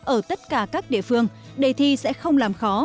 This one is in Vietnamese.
ở tất cả các địa phương đề thi sẽ không làm khó